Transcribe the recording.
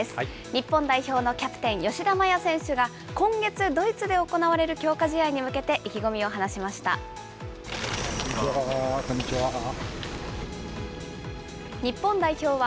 日本代表のキャプテン、吉田麻也選手が、今月、ドイツで行われる強化試合に向けて、こんにちは。